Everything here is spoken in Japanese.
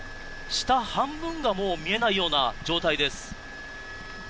下半分が見えないような状態です。